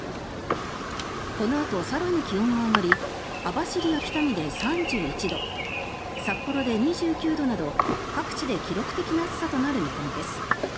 このあと更に気温が上がり網走や北見で３１度札幌で２９度など各地で記録的な暑さとなる見込みです。